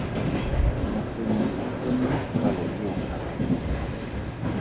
Mofenyi o bone palo eo gabedi.